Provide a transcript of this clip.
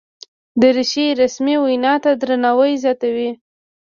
دریشي رسمي وینا ته درناوی زیاتوي.